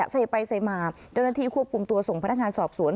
เซไปเซมาเจ้าหน้าที่ควบคุมตัวส่งพนักงานสอบสวน